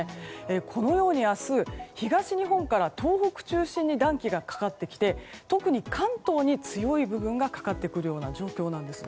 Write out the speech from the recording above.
このように明日東日本から東北を中心に暖気がかかってきて、特に関東に強い部分がかかってくるような状況なんです。